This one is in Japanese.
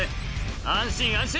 「安心安心！